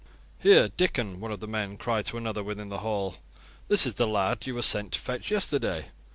"Here, Dikon," one of the men cried to another within the hall. "This is the lad you were sent to fetch yesterday.